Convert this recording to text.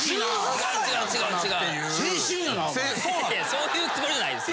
そういうつもりじゃないですよ。